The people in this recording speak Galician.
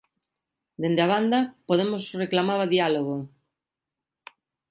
Dende a banda, Podemos reclamaba diálogo...